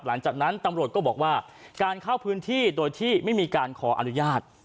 หลังจากนั้นตำรวจก็บอกว่าการเข้าพื้นที่โดยที่ไม่มีการขออนุญาต